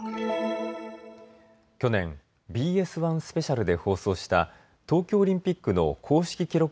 去年、ＢＳ１スペシャルで放送した東京オリンピックの公式記録